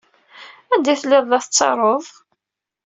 Anda ay telliḍ la tettaruḍ?